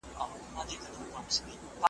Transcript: پرېکړې مه کوئ که يې نسئ پلي کولای.